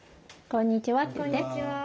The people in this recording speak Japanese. こんにちは。